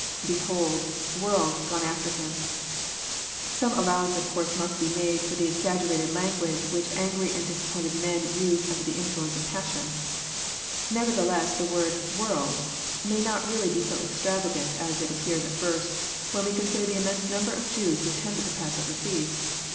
lBefiold.„tDorld.,.gone after him,'] Some allowance of course must be made for the exaggerated language which angry and disappointed men use under the influence of passion. Neverthe less the word world " may not be really so extravagant as it appears at first, when we consider the immense number of Jews who attended the passover feast.